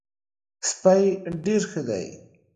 سپی ډېر ښه دی.